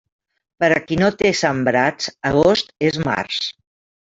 Per a qui no té sembrats, agost és març.